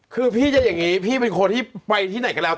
คือพี่จะอย่างนี้พี่เป็นคนที่ไปที่ไหนก็แล้ว